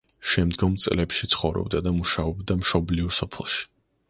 შემდგომ წლებში ცხოვრობდა და მუშაობდა მშობლიურ სოფელში.